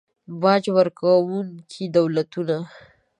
باج ورکونکي دولتونه